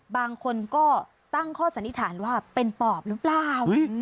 บางคนก็ตั้งข้อสันนิษฐานว่าเป็นปอบหรือเปล่า